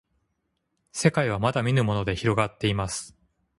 せかいはまだみぬものでひろがっています